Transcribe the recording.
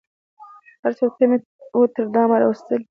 حرص او تمي وو تر دامه راوستلی